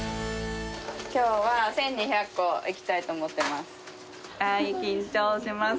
きょうは１２００個いきたいと思ってます。